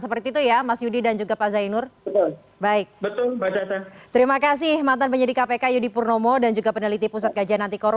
seperti itu ya mas yudi dan juga pak zainur